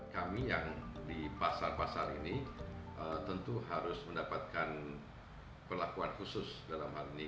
kami yang di pasar pasar ini tentu harus mendapatkan perlakuan khusus dalam hal ini